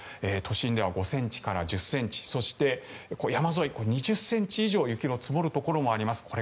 都心では５ｃｍから１０ｃｍそして山沿い、２０ｃｍ以上雪の積もるところがあります。